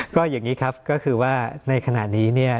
ก็อย่างนี้ครับก็คือว่าในขณะนี้เนี่ย